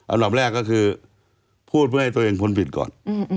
อันดับแรกก็คือพูดเพื่อให้ตัวเองคนผิดก่อน